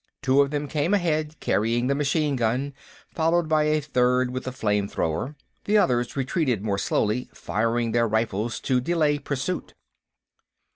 Two of them came ahead, carrying a machine gun, followed by a third with a flame thrower; the others retreated more slowly, firing their rifles to delay pursuit.